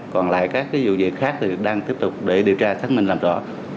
còn lại các vụ việc khác thì đang tiếp tục để điều tra xác minh làm rõ